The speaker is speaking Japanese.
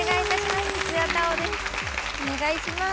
お願いいたします。